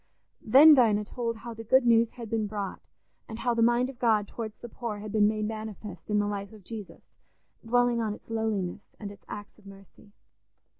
Then Dinah told how the good news had been brought, and how the mind of God towards the poor had been made manifest in the life of Jesus, dwelling on its lowliness and its acts of mercy.